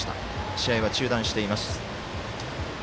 試合は中断しています。